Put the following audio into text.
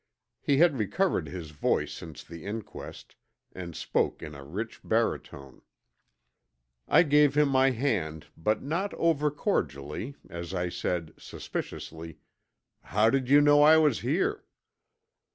He had recovered his voice since the inquest and spoke in a rich baritone. I gave him my hand, but not over cordially as I said, suspiciously, "How did you know I was here?"